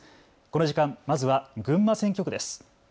この時間、まずは群馬選挙区です。